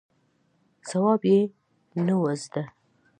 ځواب یې نه و زده.